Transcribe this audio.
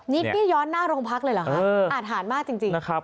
นี่นี่ย้อนหน้ารกพเลยเหรอฮะเอออาจหามากจริงจริงนะครับ